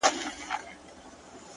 ها جلوه دار حُسن په ټوله ښاريه کي نسته،